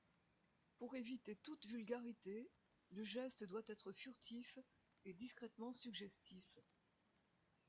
Pour éviter toute vulgarité, le geste doit être furtif et discrètement suggestif.